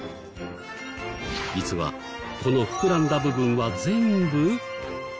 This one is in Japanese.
実はこの膨らんだ部分は全部。